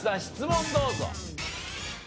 質問どうぞ。